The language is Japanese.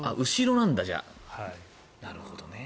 なるほどね。